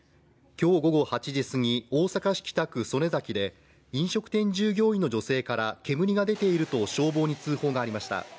今日午後８時すぎ大阪市北区曽根崎で飲食店従業員の女性から煙が出ていると消防に通報がありました。